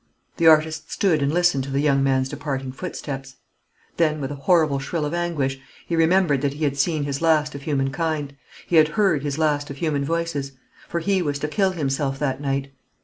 The artist stood and listened to the young man's departing footsteps. Then, with a horrible thrill of anguish, he remembered that he had seen his last of humankind he had heard his last of human voices: for he was to kill himself that night.